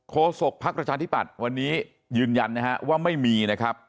โทษกพักประชาธิบัติวันนี้ยืนยันนะคะว่าไม่มีนะครับ